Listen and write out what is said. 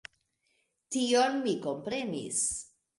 Tion mi komprenis.